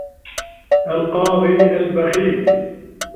القاضي البخيل